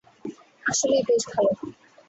আসলেই বেশ ভালো।